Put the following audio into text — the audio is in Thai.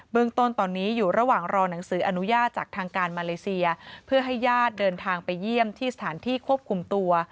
เมืองต้นตอนนี้อยู่ระหว่างรอหนังสืออนุญาตจากทางการมาเลเซียเพื่อให้ญาติเดินทางไปเยี่ยมที่สถานที่ควบคุมตัว